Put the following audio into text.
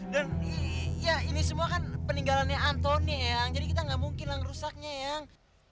dan iya ini semua kan peninggalannya antoni yang jadi kita gak mungkin lah ngerusaknya yang